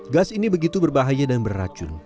gas ini begitu berbahaya dan beracun